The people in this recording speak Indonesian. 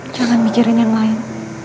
jangan mikirin yang lain